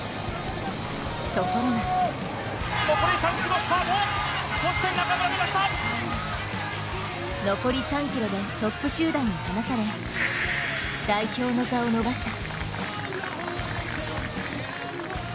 ところが残り３ｋｍでトップ集団に離され代表の座を逃した。